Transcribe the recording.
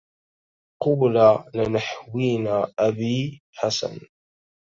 قولا لنحوينا أبي حسن